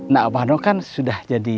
nak warno kan sudah